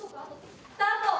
スタート！